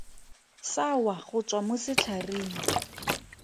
Sa wa go tswa mo setlhareng.